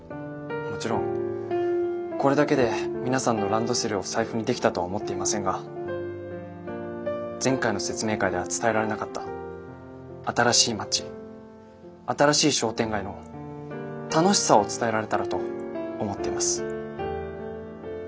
もちろんこれだけで皆さんのランドセルを財布にできたとは思っていませんが前回の説明会では伝えられなかった新しい町新しい商店街の楽しさを伝えられたらと思っています。